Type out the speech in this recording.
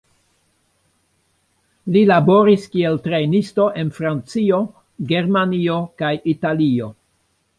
Li laboris kiel trejnisto en Francio, Germanio kaj Italio.